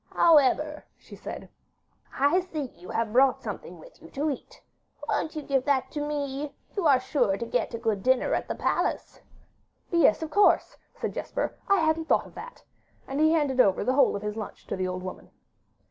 However,' she said, 'I see you have brought something with you to eat. Won't you give that to me: you are sure to get a good dinner at the palace.' 'Yes, of course,' said Jesper, 'I hadn't thought of that'; and he handed over the whole of his lunch to the old woman.